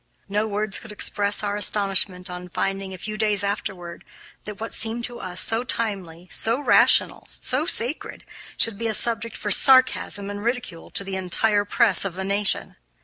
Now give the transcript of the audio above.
No words could express our astonishment on finding, a few days afterward, that what seemed to us so timely, so rational, and so sacred, should be a subject for sarcasm and ridicule to the entire press of the nation.